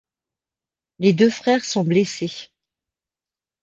Les deux frères sont blessés.